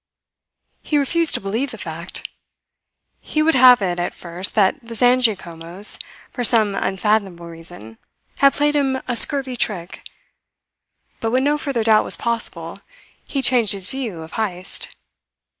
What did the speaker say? He refused to believe the fact. He would have it, at first, that the Zangiacomos, for some unfathomable reason, had played him a scurvy trick, but when no further doubt was possible, he changed his view of Heyst.